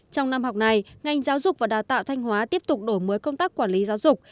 trong năm học này ngành giáo dục và đào tạo thanh hóa tiếp tục đổi mới công tác quản lý giáo dục